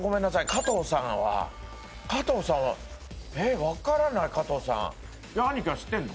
加藤さんは加藤さんはえっ分からない加藤さん兄貴は知ってんの？